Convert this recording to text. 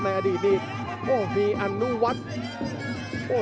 ในอดีตมีอันนุวัฒน์